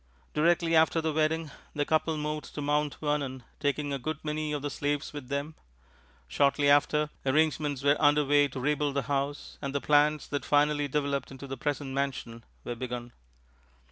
Directly after the wedding, the couple moved to Mount Vernon, taking a good many of the slaves with them. Shortly after, arrangements were under way to rebuild the house, and the plans that finally developed into the present mansion were begun.